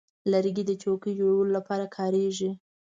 لرګی د چوکۍ جوړولو لپاره کارېږي.